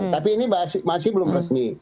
tapi ini masih belum resmi